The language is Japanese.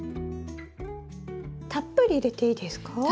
たっぷり入れていいですか？